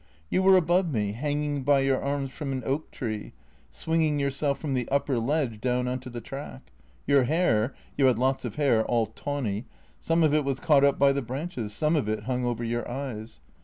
You were above me, hanging by your arms from an oak tree, swinging yourself from the upper ledge down on to the track. Your hair — you had lots of hair, all tawny — some of it was caught up by the branches, some of it hung over your eyes.